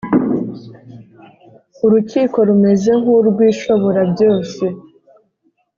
urukiko rumeze nk urw Ishoborabyose